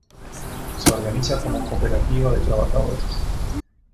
Se organiza como cooperativa de trabajadores.